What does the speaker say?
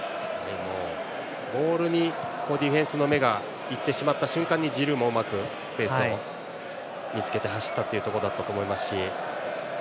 ボールにディフェンスの目がいってしまった瞬間にジルーもうまくスペースを見つけて走ったというところだったと思います。